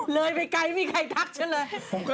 เลยไปไกลไม่มีใครทักฉันเลย